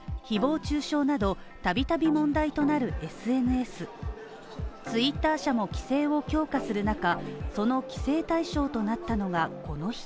誹謗中傷など、度々問題となるＳＮＳツイッター社も規制を強化する中、その規制対象となったのがこの人。